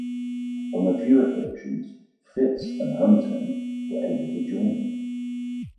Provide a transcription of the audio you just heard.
On a few occasions, Fitz and Hunting were able to join them.